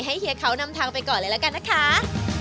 เฮียเขานำทางไปก่อนเลยละกันนะคะ